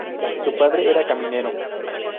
Su padre era caminero.